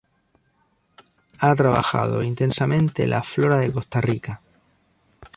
Ha trabajado intensamente la flora de Costa Rica.